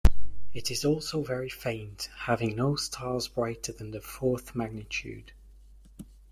It is also very faint, having no stars brighter than the fourth magnitude.